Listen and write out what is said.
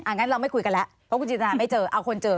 งั้นเราไม่คุยกันแล้วเพราะคุณจินตนาไม่เจอเอาคนเจอ